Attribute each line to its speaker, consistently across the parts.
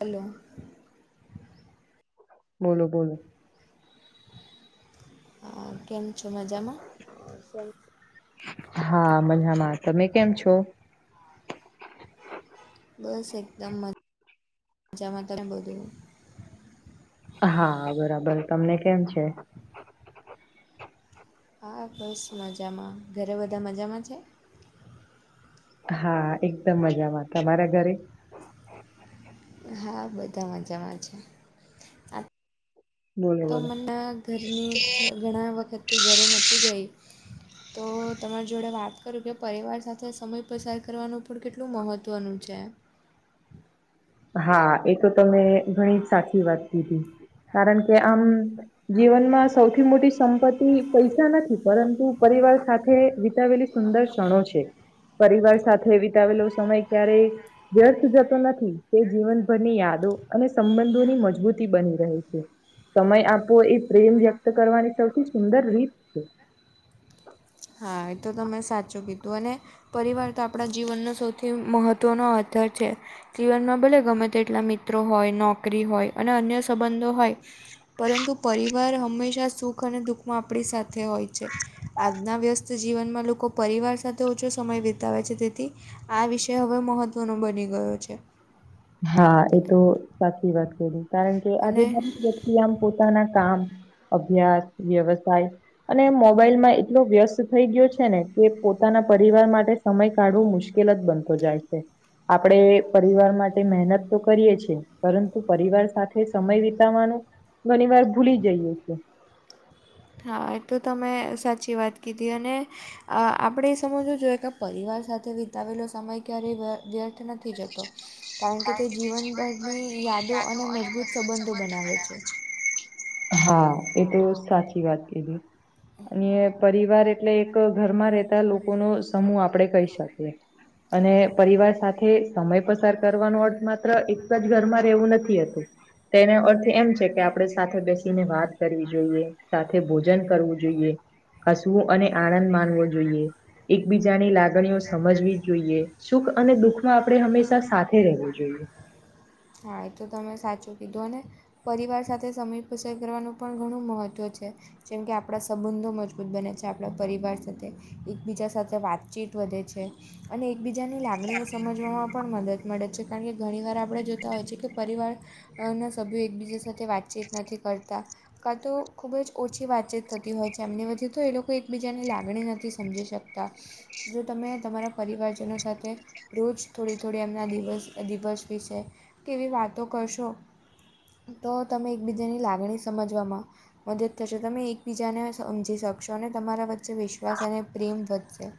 Speaker 1: અલો
Speaker 2: બોલો બોલો
Speaker 1: કેમ છો મજામાં.
Speaker 2: હા મજામાં તમે કેમ છો.
Speaker 1: બસ એકદમ મ મજામાં તને બધું.
Speaker 2: હા બરાબર તમને કેમ છો.
Speaker 1: હા બસ મજામાં ઘરે બધા મજામાં છો.
Speaker 2: હા એકદમ મજામાં તમારા ઘરે..
Speaker 1: બધા માંજામાં છે. આ
Speaker 2: બોલો
Speaker 1: તો
Speaker 2: બોલો.
Speaker 1: મને ઘરની ઘણા વખતથી ઘરે નતી ગઈ. તો તમારી જોડે વાત કરું કે પરિવાર સાથે સમય પસાર કરવાનું પણ કેટલું મહત્ત્વનું છે.
Speaker 2: હા એ તો તમે ઘણી જ સાચી વાત કીધી કારણ કે આમ જીવનમાં સૌથી મોટી સંપત્તિ પૈસા નથી પરંતુ પરિવાર સાથે વિતાવેલી સુંદર ક્ષણો છે. પરિવાર સાથે વિતાવેલો સમય ક્યારેય વ્યર્થ જતો નથી. તે જીવનભરની યાદો અને સંબંધોની મજબૂતી બની રહે છે. સમય આપવો એ પ્રેમ વ્યક્ત કરવાની સૌથી સુંદર રીત છે
Speaker 1: હા એ તો તમે સાચું કીધું અને પરિવાર તો આપણા જીવનનો સૌથી મહત્વનો આધાર છે જીવનમાં ભલે ગમે તેટલા મિત્રો હોય નોકરી હોય અને અન્ય સંબંધો હોય પરંતુ પરિવાર હંમેશા સુખ અને દુઃખમાં આપણી સાથે હોય છે. આજના વ્યસ્ત જીવનમાં લોકો પરિવાર સાથે ઓછો સમય વિતાવે છે તેથી આ વિષય હવે મહત્વનો બની ગયો છે.
Speaker 2: હા એ તો સાચી વાત કરી કારણ કે આજે
Speaker 1: અને
Speaker 2: દરેક વ્યક્તિ આમ પોતાના કામ અભ્યાસ વ્યવસાય અને મોબાઈલ માં એટલો વ્યસ્ત થઈ ગયો છે ને કે પોતાના પરિવાર માટે સમય કાઢવું મુશ્કેલ જ બનતો જાય છે આપડે પરિવાર માટે મહેનત તો કરીએ છે પરંતુ પરિવાર સાથે સમય વિતાવાનું ઘણી વાર ભૂલી જઈએ છે.
Speaker 1: હા એ તો તમે સાચી વાત કીધી અને અ આપણેે એ સમજવું જોઈએ કે પરિવાર સાથે વિતાવેલો સમય ક્યારેય વ્યર્થ નથી જતો. કારણ કે તે જીવનભરની યાદો અને મજબૂત સંબંધો બનાવે છે.
Speaker 2: હા એ તો સાચી વાત કીધી અને પરિવાર એટલે એક ઘરમાં રહેતા લોકોનો સમૂહ આપડે કહી શકીએ અને પરિવાર સાથે સમય પસાર કરવાનો અર્થ માત્ર એક જ ઘરમાં રહેવું નથી હતું તેનો અર્થ એમ છે કે આપડે સાથે બેસીને વાત કરવી જોઈએ સાથે ભોજન કરવું જોઈએ હસવું અને આનંદ માણવો જોઈએ. એકબીજાની લાગણીઓ સમજવી જોઈએ સુખ અને દુઃખ માં આપણે હંમેશા સાથે રહેવું જોઈએ.
Speaker 1: હા એ તો તમે સાચું કીધું ને પરિવાર સાથે સમય પસર કરવાનું પણ ઘણું મહત્ત્વ છે. જેમ કે આપણા સંબંધો મજબૂત બને છે આપણા પરિવાર સાથે એકબીજા સાથે વાતચીત વધે છે. અને એકબીજાની લાગણીઓ સમજવામાં પણ મદદ મળે છે કારણ કે ઘણી વાર આપણે જો તા હોય છે કે પરિવારના સભ્યો એકબીજા સાથે વાતચીત નથી કરતા કાં તો ખૂબ જ ઓછી વાતચીત થતી હોય છે એમની વચ્ચે તો એ લોકો એકબીજાની લાગણી નથી સમજી શકતા. જો તમે તમારા પરિવારજનો સાથે રોજ થોડી થોડી એમના દિવસ દિવસ વિશે એવી વાતો કરશો તો તમે એકબીજાની લાગણી સમજવામાં મદદ થશે તમે એકબીજાને સમજી શકશો અને તમારા વચ્ચે વિશ્વાસ અને પ્રેમ વધશે.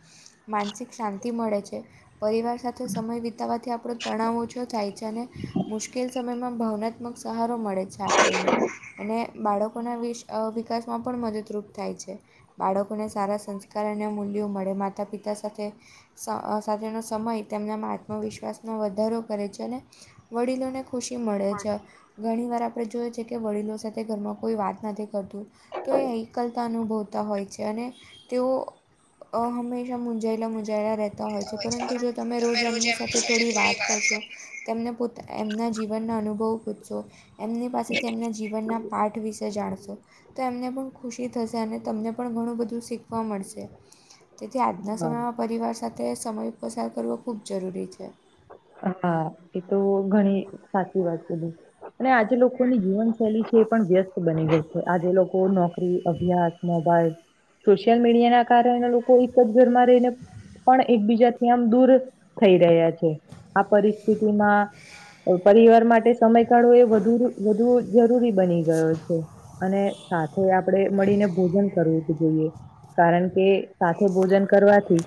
Speaker 1: માનસિક શાંતિ મળે છે. પરિવાર સાથે સમય વિતાવાથી આપણો તણાવ ઓછો થાય છે ને મુશ્કેલ સમયમાં ભાવનાત્મક સહારો મળે છે આપણને અને બાળકોના વિ અ વિકાસમાં પણ મદદરૂપ થાય છે. બાળકોને સારા સંસ્કાર મૂલ્યો મળે માતા પિતા સાથે સાથેનો સમય તેમનામા આત્મવિશ્વાસમાં વધારો કરે છે અને. વડીલોને ખુશી મળે છે. ઘણી વાર આપણે જોએ છે કે વડીલો સાથે ઘરમાં કોઈ વાત નથી કરતું. તો એ એકલતા અનુભવતા હોય છે અને તેઓ. અ હંમેશા મુુંજાયલા મુજાયલા રહેતા તા હોય છે પરંતુ જો તમે રોજ એમની સાથે થોડી વાત કરશો. તેમને પોતા એમના જીવનના અનુભવ પૂછશો. એમની પાસેથી એમના જીવનના પાઠ વિશે જાણશો. તો એમને પણ ખુશી થશે અને તમને પણ ઘણું બધું શીખવા મળશે. તેથી આજના
Speaker 2: હા
Speaker 1: સમયમાં પરિવાર સાથે સમય પસાર કરવો ખૂબ જરૂરી છે.
Speaker 2: હા એ તો ઘણી સાચી વાત કીધી અને આજે લોકો લોકોની જીવનશૈલી છે એ પણ વ્યસ્ત બની ગય છે આજે લોકો નોકરી, અભ્યાસ, મોબાઈલ. સોશિયલ મીડિયા ના કારણે લોકો એક જ ઘર માં રહીને પણ એકબીજાથી આમ દૂર થઈ રહ્યા છે આ પરિસ્થિતિમાં. પરિવાર માટે સમયગાળો એ વધુ વધુ જરૂરી બની ગયો છે અને. સાથે આપણેે મળીને ભોજન કરવું જ જોઈએ. કારણ કે સાથે ભોજન કરવાથી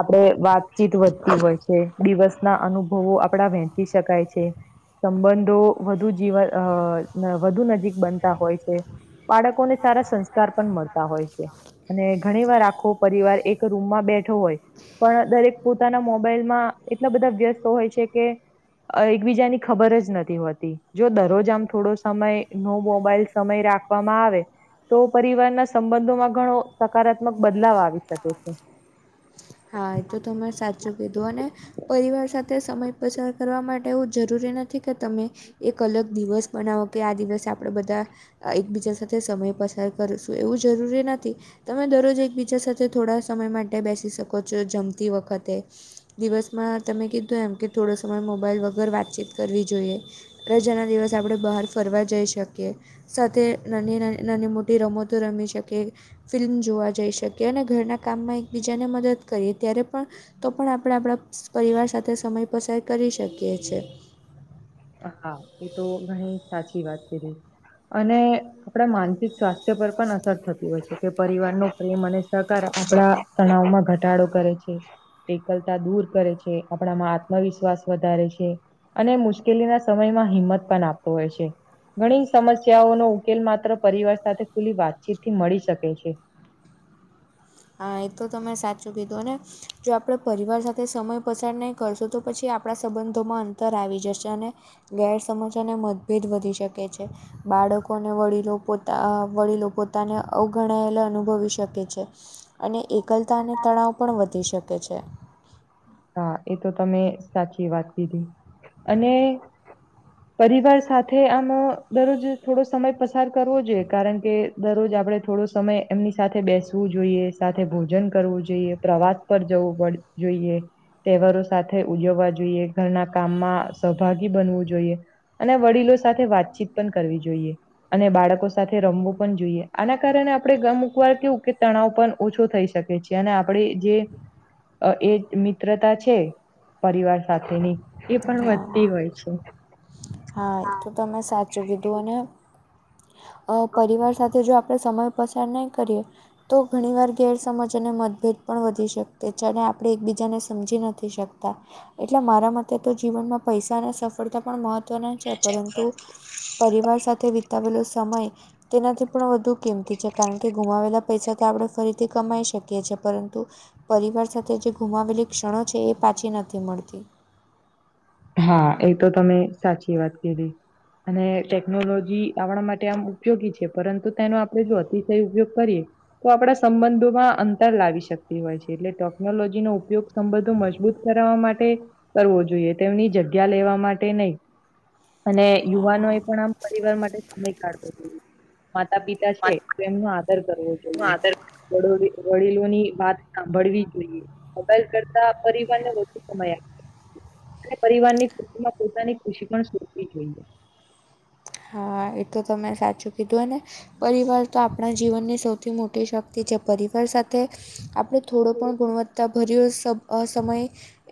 Speaker 2: આપડે વાતચીત વધતી હોય છે, દિવસ ના અનુભવો આપડા વહેંચી શકાય છે. સંબંધો વધુ જીવન વધુ નજીક બનતા હોય છે. બાળકોને સારા સંસ્કાર પણ મળતા હોય છે. અને ઘણી વાર આખો પરિવાર એક રૂમમાં બેઠો હોય. પણ દરેક પોતાના મોબાઈલમાં એટલા બધા વ્યસ્ત હોય છે કે. એકબીજાની ખબર જ નથી હોતી જો દરરોજ જામ થોડો સમય નો મોબાઈલ સમય રાખવામાં આવે. તો પરિવારના સંબંધોમાં ઘણો સકારાત્મક બદલાવ આવી શકે છે.
Speaker 1: હા એ તો તમે સાચું કીધું અને પરિવાર સાથે સમય પસાર કરવા માટે એવું જરૂરી નથી કે તમે એક અલગ દિવસ બનાવો કે આ દિવસે આપણે બધા એકબીજા સાથે સમય પસાર કરશું એવું જરૂરી નથી. તમે દરરોજ એકબીજા સાથે થોડા સમય માટે બેસી શકો છો જમતી વખતે. દિવસમાં તમે કીધું એમ કે થોડો સમય મોબાઈલ વગર વાતચીત કરવી જોઈએ. રજાના દિવસે આપણે બહાર ફરવા જઈ શકીએ. સાથે નાની નાની નાની મોટી રમતો રમી શકીએ. ફિલ્મ જોવા જઈ શકીએ અને ઘરના કામમાં એકબીજાને મદદ. કરીએ ત્યારે પણ તો પણ આપણે આપણા પરિવાર સાથે સમય પસાર કરી શકીએ છે.
Speaker 2: હા એ તો ઘણી સાચી વાત કીધી અને આપણા માનસિક સ્વાસ્થ્ય પર પણ અસર થતી હોય છે કે પરિવાર નો પ્રેમ અને સહકાર આપણા તણાવમાં ઘટાડો કરે છે. એકલતા દૂર કરે છે, આપણામાં આત્મવિશ્વાસ વધારે છે અને મુશ્કે અકેલી ના સમયમાં હિંમત પણ આપતો હોય છે. ઘણી સમસ્યાઓનો ઉકેલ માત્ર પરિવાર સાથે ખુલ્લી વાતચીત થી મળી શકે છે.
Speaker 1: હા એ તો તમે સાચું કીધું અને. જો આપણે પરિવાર સાથે સમય પસાર નહીં કરશો તો પછી આપણા સંબંધોમાં અંતર આવી જશે અને. ગેરસમજ અને મતભેદ વધી શકે છે. બાળકો અને વડીલો પોતા અ વડીલો પોતાને અવગણાયેલા અનુભવી શકે છે. અને એકલતા અને તણાવ પણ વધી શકે છે.
Speaker 2: હા એ તો તમે સાચી વાત કીધી અને
Speaker 1: [unintelligible]
Speaker 2: પરિવાર સાથે આમાં દરરોજ થોડો સમય પસાર કરવો જોઈએ કારણ કે દરરોજ આપડે થોડો સમય એમની સાથે બેસવું જોઈએ સાથે ભોજન કરવું જોઈએ પ્રવાસ ઉપર જવું પડ જોઈએ. તહેવારો સાથે ઉજવવા જોઈએ ઘરના કામમાં સહભાગી બનવું જોઈએ. અને વડીલો સાથે વાતચીત પણ કરવી જોઈએ અને બાળકો સાથે રમવું પણ જોઈએ આના કારણે આપણે ગમુકવાર કેવું કે તણાવ પણ ઓછો થઈ શકે છેં અને આપણે જે અ એ મ મિત્રતા છે પરિવાર સાથેની એ પણ
Speaker 1: હા
Speaker 2: વધતી હોય છે.
Speaker 1: હા એ તો તમે સાચું કીધું અને અ પરિવાર સાથે જો આપણે સમય પસાર નહી કરીએ. તો ઘણીવાર ગેરસમજ અને મતભેદ પણ વધી શકતે જેણે આપણે એકબીજાને સમજી નથી શકતા. એટલે મારા મતે તો જીવનમાં પૈસાની સફળતા પણ મહત્વ ના છે પરંતુ પરિવાર સાથે વિતાવેલો સમય તેનાથી પણ વધુ કિંમતી છે કારણ કે ગુમાવેલા પૈસા તો આપણે ફરીથી કમાઈ શકીએ છીએ પરંતુ પરિવાર સાથે જે ગુમાવેલી ક્ષણો છે એ પાછી નથી મળતી
Speaker 2: હા એ તો તમે સાચી વાત કીધી અને ટેકનોલોજી આપણા માટે આમ ઉપયોગી છે પરંતુ તેનો આપણે જો અતિશય ઉપયોગ કરીએ. તો આપણા સંબંધોમાં અંતર લાવી શકતી હોય છે. એટલે ટેકનોલોજીનો ઉપયોગ સંબંધો મજબૂત કરાવવા માટે કરવો જોઈએ તેમની જગ્યા લેવા માટે નહી અને યુવાનો એ પણ આમ પરિવાર માટે સમય કાઢવો જોઈએ માતા પિતા છે એમનો આદર કરવો જોઈએ. વડ વડીલોની વાત સાંભળવી જોઈએ. મોબાઈલ કરતા પરિવારને વધુ સમય આપ અને પરિવારની ખુશીમાં પોતાની ખુશી પણ સોધવી જોઈએ
Speaker 1: હા એ તો તમે સાચું કીધું અને પરિવાર તો આપણા જીવનની સૌથી મોટી શક્તિ છે પરિવાર સાથે આપણે થોડો પણ ગુણવતા તાં ભર્યો સબ સમયએ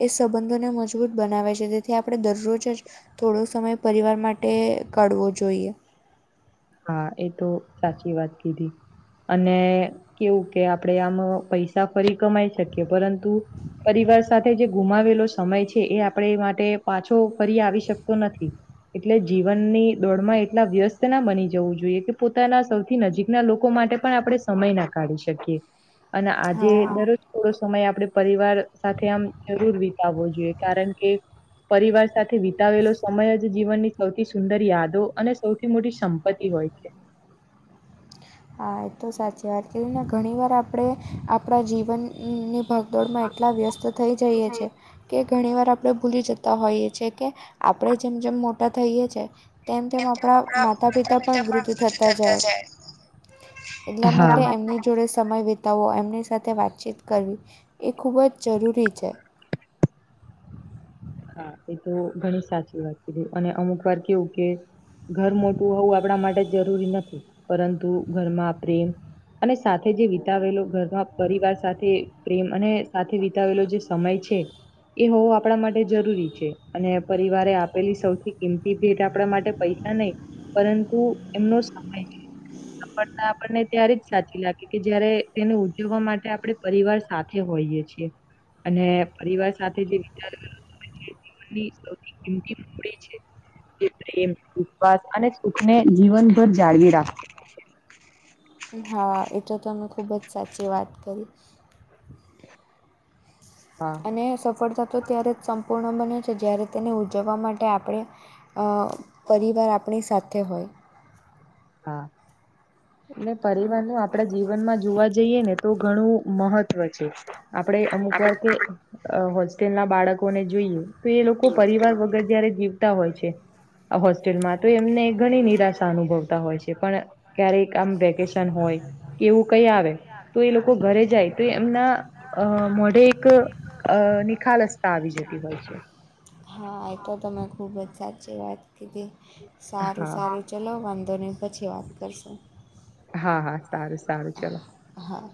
Speaker 1: એ સંબંધોને મજબૂત બનાવે છે તેથી આપણે દરરોજજ થોડો સમય પરિવાર માટે કાઢવો જોઈએ.
Speaker 2: હા એ તો સાચી વાત કીધી. અને કેવું કે આપણેે આમાં પૈસા ફરી કમાઈ શકીએ પરંતુ પરિવાર સાથે જે ગુમાવેલો સમય છે એ આપડે માટે પાછો ફરી આવી શકતો નથી. એટલે જીવનની દોડ માં એટલા વ્યસ્ત ના બની જવું જોઈએ કે પોતાના સૌથી નજીકના લોકો માટે પણ આપણે સમયના કાઢી શકીએ. અને આજે
Speaker 1: હા
Speaker 2: થોડો સમય આપણે પરિવાર સાથે આમ જરૂર વિતાવવો કારણ કે પરિવાર સાથે વિતાવેલો સમય જ જીવનની સૌથી સુંદર યાદો અને સૌથી મોટી સમ સંપત્તિ હોય છે
Speaker 1: હા એ તો સાચી વાત કરીને ઘણી વાર આપણે આપણા જીવનની. ભાગદોડમાં એટલા વ્યસ્ત થઈ જઈએ છે. કે ઘણી વાર આપણે ભૂલી જતા હોઈએ છીએ કે આપણે જેમ જેમ મોટા થઈએ છે. તેમ તેમ આપણા માતા પિતા પણ વૃદ્ધ થતા જાય એટલા માટે એમને જો જોડે સમય વિતાવો એમની સાથે વાતચીત કરવી એ ખૂબ જ જરૂરી છે.
Speaker 2: હા એ તો ઘણી સાચી વાત કીધી અને અમુક વાર કેવું કે, ઘર મોટું હોવું આપડા માટે જરૂરી નથી પરંતુ ઘરમાં પ્રેમ અને સાથે જે વિતાવેલો ઘરમાં પરિવાર સાથે પ્રેમ અને સાથે વિતાવેલો જે સમય છે એ હવ આપડા મા ટે જરૂરી છે અને પરિવારે આપેલી સૌથી કિંમતી ભેટ આપડા માટે પૈસા નહીં પરંતુ એમનો સમય છે.
Speaker 1: [inaudible]
Speaker 2: ફળતા આપણને ત્યારે જ સાચી લાગે કે જયારે તેને ઉજવવા માટે આપડે પરિવાર સાથે હોઈય છીએ. અને પરિવાર સાથે જે વિચાર [unintelligible] ની સૌથી કિંમતી મૂડી છે. જે પ્રેમ, વિશ્વાસ અને સુખને જીવનભર જાળવી રા ખે છે.
Speaker 1: હા એતો તમે ખૂબ જ સાચી વાત કરી.
Speaker 2: હા.
Speaker 1: અને સફળતા તો ત્યારે જ સંપૂર્ણ બને છે જ્યારે તેને ઉજવવા માટે આપડે અ પરિવાર આપણી સાથે હોય.
Speaker 2: હા એલે પરિવારનું આપ ડા જીવનમાં જોવા જઈએ ને તો ઘણું મહત્વ છે આપડે અમુકવાર કે અ હોસ્ટેલના બાળકોને જોઈએ તો એ લોકો પરિવાર વગર જયારે જી વતા હોય છે હોસ્ટેલમાં તો એમને ઘણી નિરાશા અનુભવતા હોય છે પણ ક્યારેક આમ વેકેશન હોય એવું કઈ આવે તો એ લોકો ઘરે જાય તો એમના અ મોઢે એક અ નિ ખાલસતા આવી જતી હોય છે.
Speaker 1: હા આ તો તમે ખૂબ જ સાચી વાત કીધી સારું
Speaker 2: હા
Speaker 1: સારું ચલો વાંધો નહીં પછી વાત કરશું.
Speaker 2: હા હા, સારું સારું ચલો.
Speaker 1: હા.